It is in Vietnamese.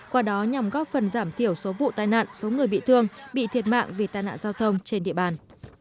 qua đó nhằm góp phần giảm thiểu số vụ tai nạn số người bị thương bị thiệt mạng vì tai nạn giao thông trên địa bàn